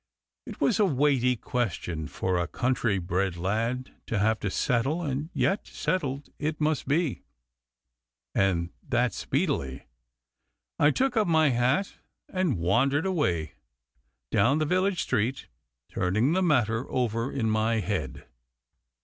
It was a weighty question for a country bred lad to have to settle, and yet settled it must be, and that speedily. I took up my hat and wandered away down the village street, turning the matter over in my head.